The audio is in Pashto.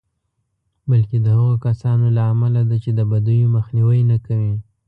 بلکې د هغو کسانو له امله ده چې د بدیو مخنیوی نه کوي.